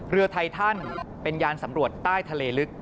ไททันเป็นยานสำรวจใต้ทะเลลึก